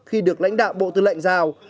khi được lãnh đạo bộ tư lệnh giao